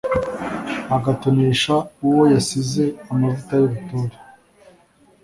agatonesha uwo yasize amavuta y’ubutore